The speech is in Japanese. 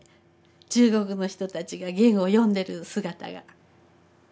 中国の人たちがゲンを読んでる姿が。